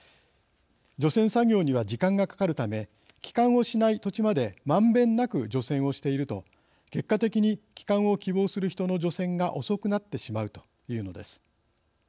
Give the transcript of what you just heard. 除染作業には時間がかかるため帰還をしない土地までまんべんなく除染をしていると結果的に帰還を希望する人の除染が遅くなってしまうというのです。